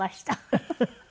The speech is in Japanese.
フフフフ。